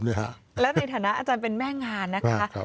แล้วในฐานะอาจารย์เป็นแม่งานนะคะ